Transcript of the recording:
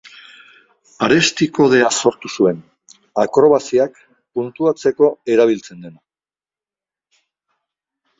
Aresti kodea sortu zuen, akrobaziak puntuatzeko erabiltzen dena.